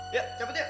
ya cepet ya